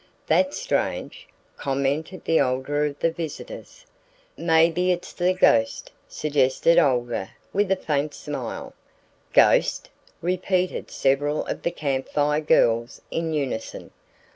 "That's strange," commented the older of the visitors. "Maybe it's the ghost," suggested Olga with a faint smile. "Ghost!" repeated several of the Camp Fire Girls in unison.